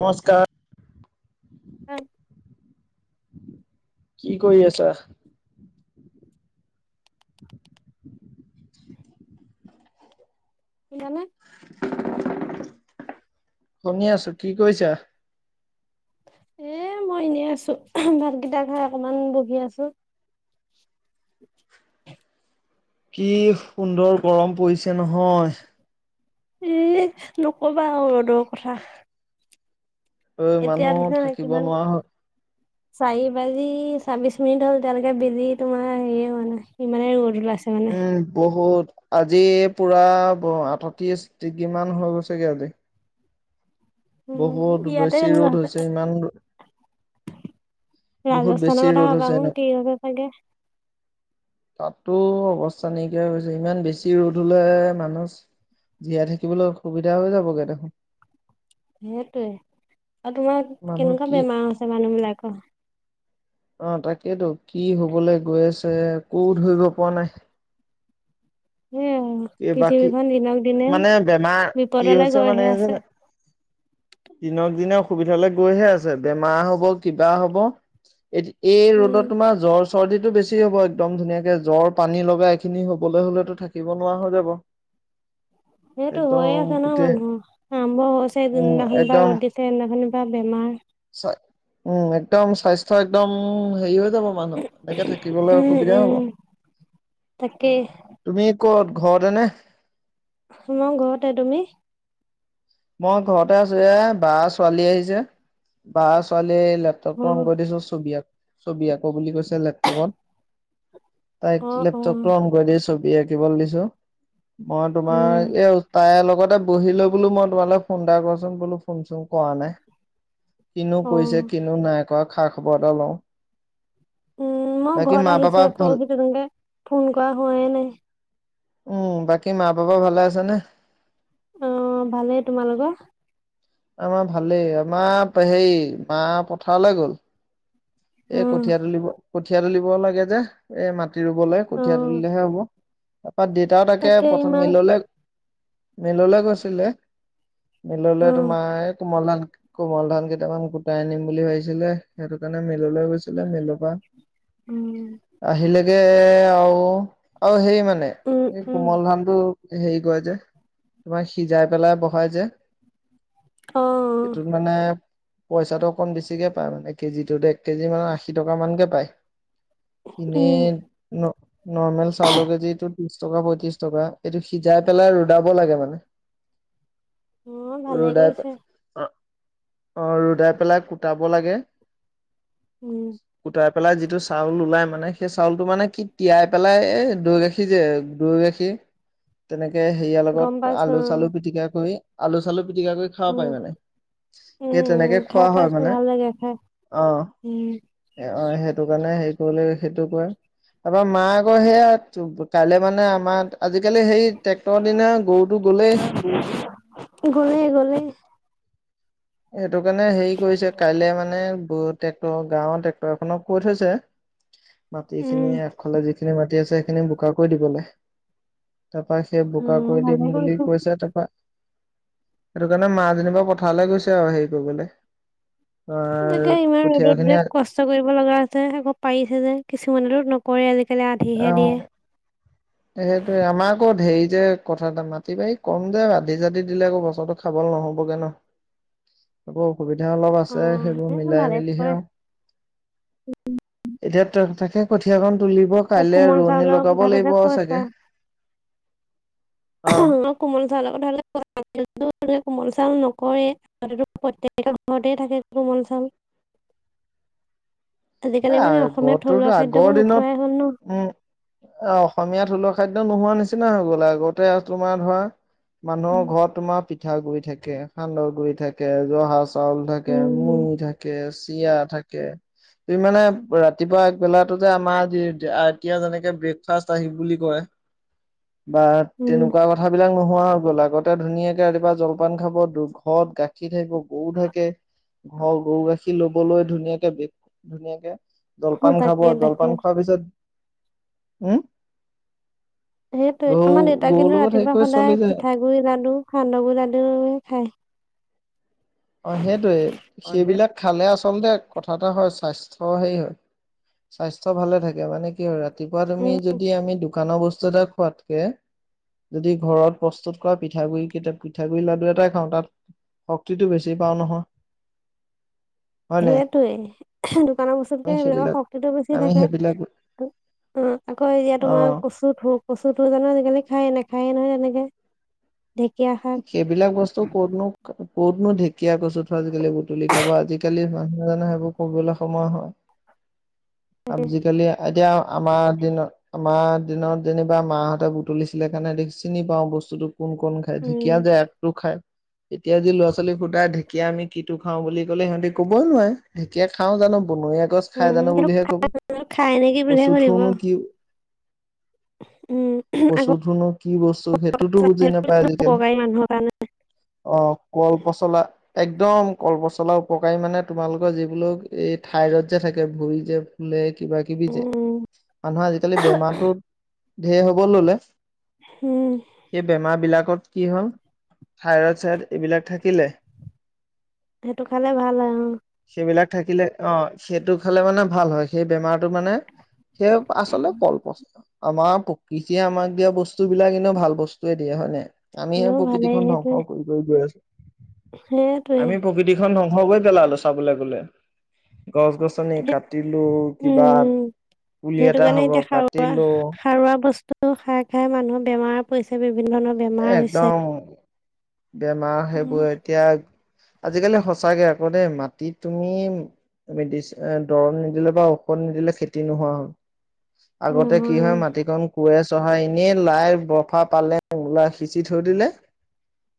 নমস্কাৰ। এক কি কৰি আছা- [unintelligible] [inaudible] শুনি আছো কি কৰিছা। এ মই এনেই আছো ভাতকেইটা খাই অকমান বহি আছো। [unintelligible] কি সুন্দৰ গৰম পৰিছে নহয়। এ নকবা ৰ'দৰ কথা [unintelligible] ঐ এতিয়া মানুহ দেখিছ নাই থাকিব কিমান নোৱাৰা হয় চাৰি বাজি। ছাব্বিশ মিনিট হ'ল এতিয়ালৈকে বেলি তোমাৰ হেৰীয়ে হোৱা নাই ইমানে ৰদ ওলাইছে। মানে উম বহুত আজি পুৰা ব- আঠত্ৰিছ ডিগ্ৰীমান হৈ গৈছে গে আজি। উম বহুত ইয়াতে বেছি তেনেকুৱা ৰ'দ হৈছে ইমান। বহুত বেছি ৰাজস্থানৰ কথা ৰ'দ ভাবা হৈছে ওন। ন কি হৈছে চাগে। তো অৱস্থা নাইকিয়া হৈছে। ইমান বেছি ৰ'দ হ'লে মানুছ জীয়াই থাকিবলৈ অসুবিধা হৈ যাবগৈ দেখোন। সেইটোৱে। আৰু তোমাৰ মানুহ কেনেকুৱা কি বেমাৰ হৈছে মানুহবিলাকৰ। অ' তাকেতো। কি হবলে গৈ আছে? একো ধৰিব পৰা নাই। সেই কি বাকী- পৃথিৱীখন দিনক দিনে মানে বেমাৰ- কি বিপদলৈ হৈছে মানে গৈহে হৈছে আছে জানা দিনক দিনে অসুবিধালে গৈহে আছে। বেমাৰ হ'ব, কিবা হ'ব। এইটো- এই উম ৰ'দত তোমাৰ জ্বৰ চৰ্দিটো বেছি হ'ব একদম ধুনীয়াকে। জ্বৰ, পানীলগা এইখিনি হবলৈ হ'লেতো থাকিব নোৱাৰা হৈ যাব। [unintelligible] সেইটো হৈয়ে একদম আছে ন' গোটেই মানুহৰ। আৰম্ভ হৈছে উম যোনদিনাখনৰ পৰা একদম ৰ'দ দিছে, সেইদিনাখনি পৰা বেমাৰ উম। উম, একদম স্বাস্থ্য একদম হেৰি যাব মানুহ। এনেকে থাকিবলৈ উম অসুবিধা উম হব। তাকেই তুমি ক'ত? ঘৰতে নে? মই ঘৰতে। তুমি? মই ঘৰতে আছোঁ। এ বাৰ ছোৱালী আহিছে। বাৰ ছোৱালী এ অ লেপটপটো অন কৰি দিছোঁ। ছবি আ- ছবি আঁকো বুলি কৈছে লেপটপত। তাইক অ অ লেপটপটো অন কৰি দি ছবি আঁকিবল দিছোঁ। মই উম তোমাৰ এ তাইৰ লগতে বহিলোঁ বোলো ম তোমালে ফোন এটা কৰচোন বোলো, ফোন-চোন কৰা নাই। কিনো অ কৈছে, কিনো নাই খা-খবৰ এটা লওঁ। উম, মই বাকী মা ঘৰত পাপা আহিছোঁহে। ভাল পৰহি তেনেকে ফোন কৰা হোৱাই নাই। উম, বাকী মা-পাপা ভালে আছে নে? অ' ভালেই তোমালোকৰ? আমাৰ ভালেই। আমাৰ হেৰি মা পথাৰলৈ গ'ল। এ উম কঠীয়া তুলিব। কঠীয়া তুলিব লাগে যে। এ মাত মাটি ৰুবলে অ কঠীয়া তুলিলেহে হ'ব তাৰপৰা দেউতা তাকে প্ৰথম মিললে মিললে গৈছিলে অ মিললে তোমাৰ এই কোমল ধান কোমল ধান কেইটামান কোটাই আনিম বুলি ভাবিছিলে সেইটো কাৰণে মিললৈ গৈছিলে মিলৰ পৰা উম আহিলেগে আও অ সেই মানে উম উম কোমল ধানটো হেৰী যে তোমাৰ সিজাই পেলাই বহাই যে অ এইটোত মানে পইচাটো অকমান বেছিকে পায় মানে কেজিটো দে কেজি মানৰ আশী টকা মানকে পায় এনেই উম ন নৰ্মেল চাউল কেজিটোত ত্ৰিশ টকা- পঁয়ত্ৰিশ টকা। এইটো সিজাই পেলাই ৰদাব লাগে মানে। অ ভালে ৰদাই পে- কৰিছে অ' অ' ৰদাই পেলাই কুটাব লাগে। উম। কুটাই পেলাই যিটো চাউল ওলায় মানে, সেই চাউলটো মানে কি তিয়াই পেলাই এই দৈ গাখীৰ যে দৈ গাখীৰ তেনেকে হেৰিয়াৰ লগত গম পাইছো আলু-চালু পিটিকা কৰি, আলু-চালু পিটিকা কৰি খাব উম পাৰি মানে। উম সেই উম তেনেকে খাই খোৱা হয় পাইছো মানে। ভাল লাগে খাই অ'। উম এ অ' সেইটো কাৰণে হেৰি কৰিলে সেইটো কৰিম। এবাৰ মায়ে কয় সেয়া টো কাইলে মানে আমাৰ আজিকালি সেই ট্ৰেক্টৰৰ দিনা গৰুটো গ'লে গ'লে - গ'লে। সেইটো কাৰণে হেৰি কৰিছে, কাইলে মানে বহুত ট্ৰেক্টৰ গাঁৱৰ ট্ৰেক্টৰ এখনক কৈ থৈছে। মাটিখিনি উম আগফালে যিখিনি মাটি আছে সেইখিনি বোকা কৰি দিবলে তাপা সেই বোকা কৰি দিম ভালে বুলি কৰিছে কৈছে তাৰপা সেইটো কাৰণে মা যেনিবা পথাৰলে গৈছে আৰু হেৰি কৰিবলৈ তাকে অ' ইমান কঠীয়া ৰ'দত খিনি যে কষ্ট কৰিব লগা হৈছে হেক পাৰিছে যে কিছুমানেটো ন কৰে আজিকালি আধিহে দিয়ে অ' সেইটোয়ে আমাৰ আকৌ ধেৰি যে কথা এটা মাটি বাৰী কম যে আধি চাধী দিলে আকৌ বচৰটো খাব নহ'বগে ন আকৌ অসুবিধা অলপ অ আছে সেইবোৰ সেই মিলাই ভালে মেলিহে কৰে আৰু এতিয়া ত তাকে কঠিয়াকন তুলিব কাইলে কোমল ৰোৱনী চাউলৰ লগাব কথাটো যে লাগিব দে অ কোমল চাউলৰ কথা [unintelligible] কোমল চাউল নকৰে আগতেতো প্ৰত্যেক ঘৰতে থাকে কোমল চাউল [inaudible] এ আজিকালি মানে অসমীয়া আগতটো থলুৱা তো আগৰ খাদ্যবোৰ দিনত নোখোৱাই হ'ল ন উম অ অসমীয়া থলুৱা খাদ্য নোহোৱা নিছিনা নিচিনা হৈ গ'ল আগতে তোমাৰ ধৰা মানুহৰ ঘৰত তোমাৰ পিঠা গুৰি থাকে সান্দহ গুৰি থাকে জহা চাউল থাকে উম মুৰী থাকে তিয়া থাকে তুমি মানে ৰাতিপুৱা একবেলাতো যে আমাৰ এতিয়া যেনেকে ব্ৰেকফাষ্ট আহি বুলি কয় বা উম তেনেকুৱা কথাবিলাক নোহোৱা হৈ গল আগতে ধুনীয়াকে ৰাতিপুৱা জলপান খাব দু ঘৰত গাখীৰ থাকিব গৰু থাকে ঘৰ গৰু গাখীৰ লবলৈ ধুনীয়াকে বে ধুনীয়াকে জলপান খাব তাকে তাকে জলপান খোৱাৰ পিছত উ সেইটোৱে আমাৰ দেউতাক কিন্তু ৰাতিপুৱা চলি সদায় যায় পিঠাগুড় লাডু সান্দহ গুড়ি লাডু খায় অ সেইটোয়েই সেইবিলাক খালে আচ আচলতে কথা এটা হয় স্বাস্থ্য হেৰি হয় স্বাস্থ্য ভালে থাকে মানে কি হয় ৰাতিপুৱা তুমি উম যদি আমি দোকানৰ বস্তু এটা খোৱাতকে যদি ঘৰত প্ৰস্তুত কৰা পিঠাগুৰি কেইটা পিঠাগুৰি লাডু এটাই খাওঁ তাত শক্তিটো বেছি বুজি পাওঁ নহয় হয় নাই সেইটোৱেই দোকানৰ বস্তুতকে আমি সেইবিলাকৰ সেইবিলাক শক্তিটো বেছি আমি থাকে সেইবিলাক অহ আকৌ এতিয়া অ তোমাৰ কচুথু কচুথু জানো খায়ে নেখায়ে নহয় এনেকে সেইবিলাক বস্তু ক'তনো ক'তনো ঢেক ঢেকীয়া কচুথু আজিকালি বুটলি খাব আজিকালি মানুহ জানো সেইবোৰ কৰিবলৈ সময় হয় আজিকালি এতিয়া আমাৰ দিনত আমাৰ দিনত যেনিবা মাহঁতে বুটলিছিলে কাৰণে দেখি চিনি পাওঁ বস্তুতোক কোন কোন খায় উম। ধেকীয়া যে আগটো খায় এতিয়া যি ল'ৰা ছোৱালী সুদা ঢেকীয়া আমি কিটো খাওঁ বুলি ক'লে সিহঁতি ক'বই নোৱাৰে ঢেকীয়া খাও জানো বনৰীয়া গছ খাই উম জানো সেইটো বুলিহে কব, খাই নেকি বুলিহে কচু সুধিব থোৰনো কি উম আকৌ কচু থোৰনো কি বস্তু সেইটোতো বুজি সেইটো নাপায় আজিকালি উপকাৰী মানুহৰ কাৰণে। অ কল পচলা একদম কলপচলা উপকাৰী মানে তোমালোকৰ যি বিলাক এই থঠাইৰড যে থাকে ভৰি যে কিবা কিবি যে উম। মানুহৰ আজিকালি বেমাৰতটো ধেৰ হব ললে উম সেই বেমাৰ বিলাক কি হ'ল থাইৰইড চাইডত এইবিলাক থাকিলে। সেইটো খালে ভাল হয় অ সেইবিলাক থাকিলে অ সেইটো খালে মানে ভাল হয় সেই বেমাৰ টো মানে সেই আচলতে কল পচলা আমাৰ প্ৰকৃতিয়ে আমাক দিয়া বস্তু বিলাক এনে ভাল বস্তুৱয়ে দিয়ে হয় নে আমিহে এনেও ভালেই প্ৰকৃতিখনন সেইটোৱে ধ্বংস কৰি গৈ গৈ আছো। সেইটোৱে। আমি প্ৰকৃতিখন ধ্বংস কৰি পেলালো চাবলৈ গলে গছ গছনি এ- কাটিলো কিবা উম পুলি সেইটো এটা কাৰণে হব এতিয়া সাৰুৱা কাটিলো সাৰুৱা বস্তু খাই খাই মানুহৰ বেমাৰ পৰিছে বিভিন্ন ধৰণৰ এ বেমাৰ হৈছে একদম বেমাৰ সেইবোৰ উম। এতিয়া আজিকালি সঁচাকে আকৌ দেই মাটি তুমি তুমি মেদিচ দৰৱ নিদিলে বা ঔষধ নিদিলে খেতি নোহোৱা হ'ল আগতে কি নহয় হয় মাটিখন কোঁৱে চহাই এনেই লাই, বৰফা, পালেং মূলা সিঁচি থৈ দিলে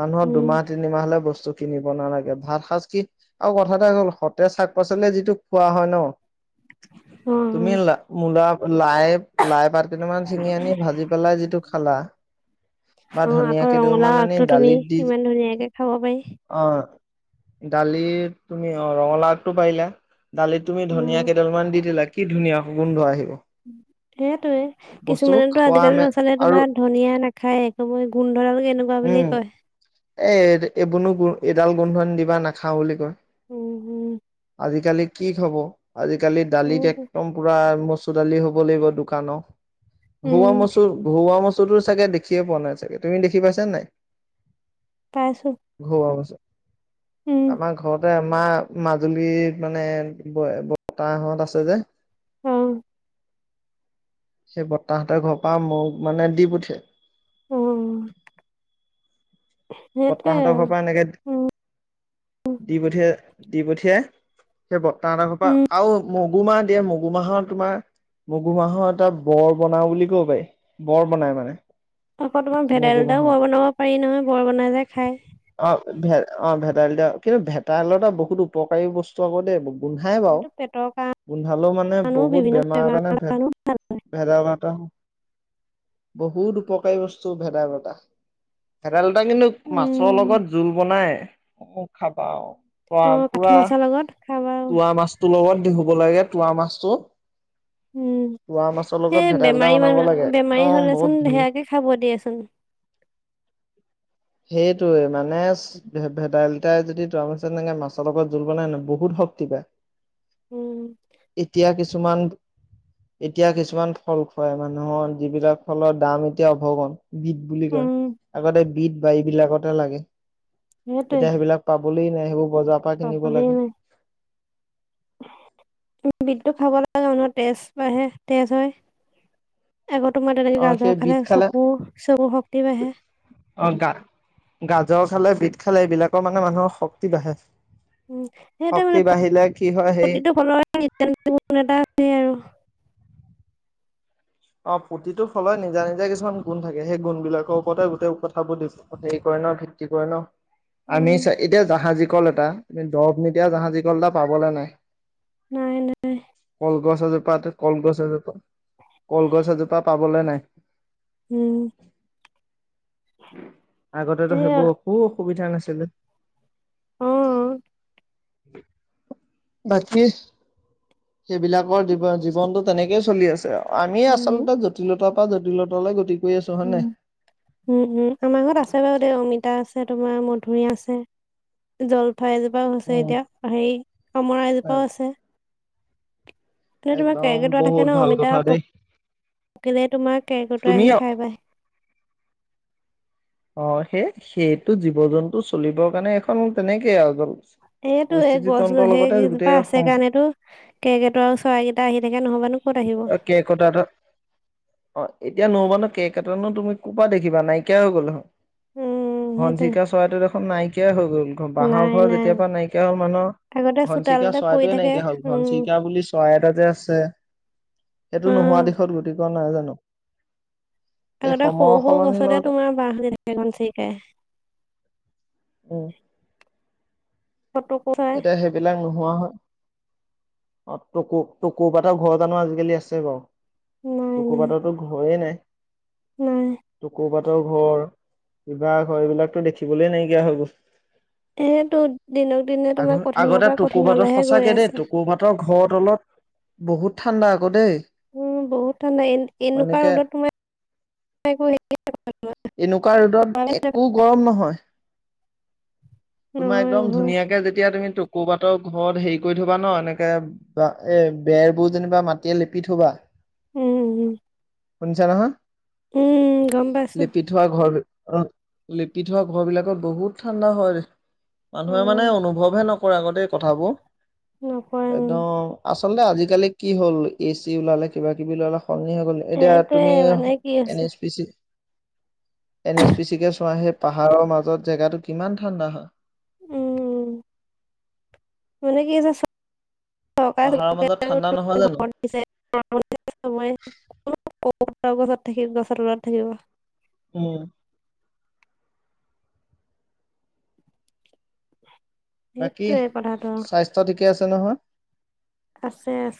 মানুহৰ উম দুমাহ তিনিমাহ গৈছে চব কিনিব নালাগে ভাত সাজকি আৰু কথা এটা হ'ল সতেজ শাক পাচলি যিটো খোৱা হয় ন [unintelligible] অ অ। তুমি লা মূলা, লাই, লাই পাত কেইটামান ছিঙি আনি ভাজি পেলাই যিটো খালা বা অ ধুনিয়া আকৌ কেইডাল মান ৰঙালাও আনি আগটো তুমি দালিত দি ইমান ধুনীয়াকে খাব পাৰি অহ অহ দালিত তুমি অহ ৰঙালাওটো পাৰিলা দালিত তুমি উম ধুনিয়া কেইডালমান দি দিলা কি ধুনীয়া গোন্ধ আহিব সেইটোয়ে বস্তুবোৰ কিছুমানেতো খোৱা আজিকালি আমে নচালে আৰু তোমাৰ ধুনিয়া নাখায় এ কবই গুন উম এ এইবোন নো গোন্ধ এইডাল গোন্ধনি দিবা নাখাওঁ বুলি কয় উম উম আজিকালি কি খাব আজিকালি দালিত সেইটোৱে। একদম পোৰা মচুৰ দালি হ'ব লাগিব দোকানৰ ঘৰুৱা উম মচুৰ ঘৰুৱা মচুৰটো চাগে দেখিয়ে পোৱা নাই চাগে তুমি দেখি পাইছা নাই? পাইছো ঘৰুৱা মাছে উম আমাৰ ঘৰতে আমাৰ মাজুলীৰ মানে বৰ্তাহত আছে যে অহ সেই বতাহেতৰ ঘৰ পৰা মোক মানে দি পঠিয়াই অ সেইটোৱে বৰ্তাহঁতৰ আৰু ঘৰ পৰা এনেকে উম দি পঠিয়াই দি পঠিয়াই সেই বৰ্তাহতৰ ঘৰ উম পৰা আৰু মগু মাহ দিয়ে মগু মাহৰ তোমাৰ মগু মাহৰ এটা বৰ বনাও বুলি কব পাৰি বৰ বনাই মানে আকৌ তোমাৰ ভেদাইলতাও বৰ বনাব পাৰি নহয় বৰ বনাই যে খাই অহ ভে অহ ভেদাইলতা কিন্তু ভেদাইলতা বহুত উপকাৰী বস্তু আকৌ দেই গোন্ধাই বাও। সেইটো পেটৰ গোন্ধালেও মানে কাৰণেও বহুত বিভিন্ন বেমাৰৰ কাৰণে ভেদ কাৰণেও ভাল হয় ভেদাটা হয়। বহুত উপকাৰী বস্তু ভেদাইলতা ভেদাইলতা কিন্তু। মাছৰ উম লগত জোল বনাই অ মোক খাবা আৰু অ কাঠ মাৰছৰ লগত খাবা তোৱাা মাছটোৰ লগত দেহুব লাগে তোৱাা মাছটো উম। পোৱা মাছৰ লগত সেই ভেদাইলতা বেমাৰী বনাব লাগে মানহ বেমাৰী একদম বহুত হ'লেচোন ধেয়াকে খাব দিয়েচোন। [unintelligible] সেইটয়ে মানে ভেদাইলতাই যদি তোৱা মাছৰ লগত জোল বনাই নয় বহুত শক্তি। তি বা। [unintelligible] উম। এতিয়া কিছুমান। এতিয়া কিছুমান ফল খুৱাই মানুহৰ যিবিলাক ফলৰ দাম এতিয়া অভগণ বিট বুলি কয়। উম আগতে বিট বাৰী বিলাকতে লাগে। সেইটোৱে এতিয়া সেইবিলাক পাবলৈ নাই সেইবোৰ বজাৰৰ পৰা কিনিব লাগে। হয়। বিট বিটটো খাব লাগে মানুহ তেজ বাঢে তেজ হয়। আগত তোমাৰ তেনেকে অ গাল ছাল সেই ফাটে বিধ খালে চকু চকু শক্তি বাঢ়ে। অ গা গাজৰ খালে বিট খালে এইবিলাকৰ মানে মানুহৰ শক্তি বাঢ়ে উ সেইটো শক্তি মানে বাঢ়িলে কি হয় সেই প্ৰতিটো ফলৰ এটা আৰু অ প্ৰতিটোৰ ফলত নিজা নিজা কিছুমান গুণ থাকে সেই গুণ বিলাকৰ ওপৰতে গোটেই কথাবোৰ দি হেৰি কৰে। ন ভিত্তি কৰে ন। উম আমি চা এতিয়া জাহাজী কল এটা দৰব নিতিিয় জাহাজী কল এটা পাবলে নাই নাই নাই। তাপা কলগছ এজোপা কলগছ এজোপা পাবলৈ নাই। উম। আগতেতো এয়া সেইবোৰ অ অসুবিধা নাছিল। ছিল। আহ বাকী সেইবিলাকৰ জীৱন জীৱনটোত তেনেকে চলি আছে আমি উম আচলতে জটিলতাৰ পৰা জটিলতালৈ গতি কৰি আছো হয় উ নাই উম উম আমাৰ ঘৰত আছে বাৰু দে অমিতা আছে ত তমাৰ মধুৰি আছে জল। উঠ এজোপাওছে উম এতিয়া হেৰি কামৰা এজোপাও আছে। মানে তোমাৰ একদম কেৰাকে তৰা থাকে বহুত ন ভাল অমিতা কথা প দেই অকিলে তোমাৰ কেৰেকট তুমি আহি খাই বাই অ সেই সেইটো জীৱ জন্তু চলিবৰ কাৰণে এখন তেনেকে আৰু এইটো এই পৰিস্থিতি গছ তন্ত্ৰৰ গছি লগতে কেইজোপা গোটেই আছে সম কাৰণেতো কেইকেইটা আৰু চৰাই কেইটা আহি থাকে নহবানো। ক'ত আহিব কেৰকেটোৱা।। অ এতিয়া নবা ন কেক এটা নো তুমি কোপা দেখিবা নাইকিয়া হৈ গল হ উম সেইটোৱে ঘনচিৰকা চৰাইটোত দেখোন নাইকিয়াই হৈ গ'ল, ঘ বাঁহৰ নাই ঘৰ নাই যেতিয় পৰাা নাইকিয়া হ'ল আগতে মানুহৰ। ঘনচিকা চোতালতে পৰি চৰাইটোৱে থাকে নাইকিয়া হল উম ঘনচিকা বুলি চৰাই এটাতে আছে। এইটো অ নোহোৱা দিশত গতি কৰা নাই জানো। এই আগতে সময়ৰ সৰু সৰু সলনিৰ গছতে লগতে তোমাৰ বহ দি থাকেখনন চৰিকাই। উম ফটো কো খাই। নোৱা হয় অ ট ক'বাতেটা ঘৰৰত জানো আজিকালি আছে বাৰু নাই টকুৰ নাই পাতৰো ঘৰেে নাই নাই টুকুৰ পাত। স ঘৰ কিবা ঘৰ এইবিলাকতো দেখিবলৈ নাইকিয়া হৈ গ'ল। সেতটো দিনত। আগ আগতে টুকুৰ মাতো সঁচাকে দেই আছে টুকুৰ মাতৰ ঘৰত তলত বহুত ঠাণ্ডা আকৌ দেই। উম বহুত ঠাণ্ডা এ এনেকুৱা এনেকে ৰদত তোমাৰ এনেকুৱা ৰ'দত একো [unintelligible] গৰম নহয়। তোমাৰ নহয় একদম নহয় ধুনীয়াকে যেতিয়া তুমি! কৰবাতো ঘৰত হেৰি কৰি থবা ন এনেকে বা এ বেৰবোৰ যেনিবা মাটিয়ে লিপি থবা। উম উম। শুনিছা নহয় গম পাইছো। লিপি থোৱা ঘৰ লিপি থোৱা ঘৰ বিলাকত বহুত ঠাণ্ডা হয়। মানুহে উম, মানে অনুভৱহে নকৰে আগতে এই কথাবোৰ নকৰে উম। একদম আ আচলতে আজিকালি কি হ'ল এ চি ওলালে কিবা কিবি লালে সলনি হল। এতিয়া এইটোৱে তুমি মানে কি এন হৈছে S P C N S P চিকে চোৱা সেই পাহাৰৰ মাজত জেগাটো কিমান ঠাণ্ডা হয়। উম মানে কি আছে? পাহাৰৰ মাজত ঠাণ্ডা নহয় জানো [unintelligible] [unintelligible] গছত থাকিব গছৰ তলত থাকিব। উম। বাকী সেইটোৱে কথাটো স্বাস্থ্য ঠিকেই আছে নহয়। আছে আছে।